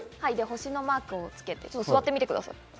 星のマークをつけて座ってみてください。